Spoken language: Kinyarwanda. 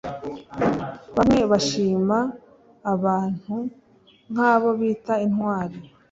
bamwe bashima abantu nk abo babita intwari